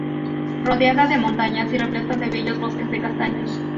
Rodeada de montañas y repleto de bellos bosques de castaños.